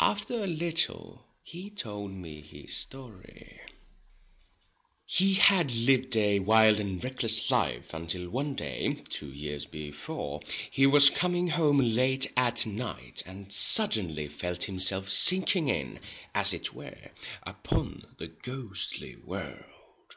After a little he told me his story. He had lived a wild and reckless life, until one day, two years before, he was coming home late at night, and suddenly felt himself sinking in, as it were, upon the ghostly world.